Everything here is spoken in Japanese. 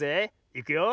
いくよ。